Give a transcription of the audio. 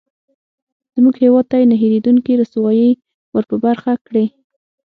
زموږ هېواد ته یې نه هېرېدونکې رسوایي ورپه برخه کړې.